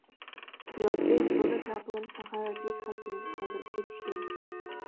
ئۇلار ئۆز بالا-چاقىلىرىنى ساخاۋەتلىك خەلقىمىزگە قالدۇرۇپ كېتىشكەن.